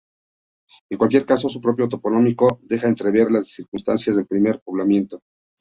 En cualquier caso, su propio topónimo deja entrever las circunstancias del primer poblamiento.